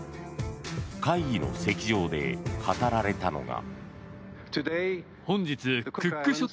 会議の席上で語られたのが。